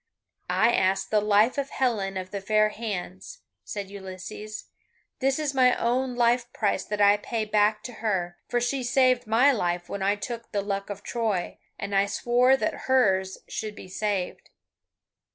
"I ask the life of Helen of the fair hands," said Ulysses "this is my own life price that I pay back to her, for she saved my life when I took the Luck of Troy, and I swore that hers should be saved."